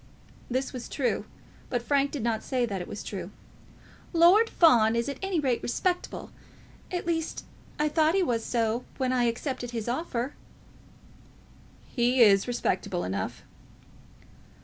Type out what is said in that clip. This was true, but Frank did not say that it was true. "Lord Fawn is at any rate respectable. At least, I thought he was so when I accepted his offer." "He is respectable enough."